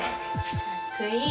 かっこいい！